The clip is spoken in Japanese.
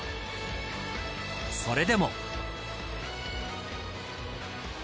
それでも。